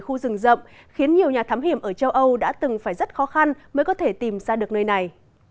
khu rừng rộng khiến nhiều nhà thám hiểm ở châu âu đã từng phải rất khó khăn mới có thể tìm ra được nơi này